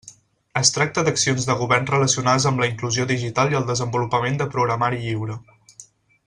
Es tracta d'accions de govern relacionades amb la inclusió digital i el desenvolupament de programari lliure.